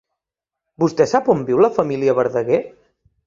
Vostè sap on viu la família Verdaguer?